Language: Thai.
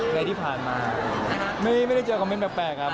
และที่ผ่านมาไม่ได้เจอคอมเมนต์แปลกครับ